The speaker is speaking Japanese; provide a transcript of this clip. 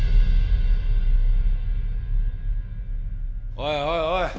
おいおいおい。